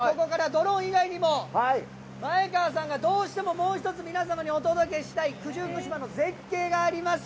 ここからドローン以外にも前川さんがどうしてももう１つ、皆様にお届けしたい九十九島の絶景があります。